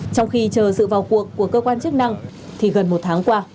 trong khi chờ sự vào cuộc của cơ quan chức năng thì gần một tháng qua